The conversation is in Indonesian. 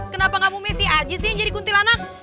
kenapa kamu messi aja sih yang jadi kuntilanak